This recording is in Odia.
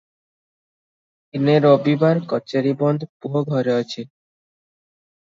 ଦିନେ ରବିବାର, କଚେରି ବନ୍ଦ, ପୁଅ ଘରେ ଅଛି ।